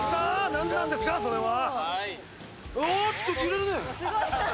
何なんですかそれは！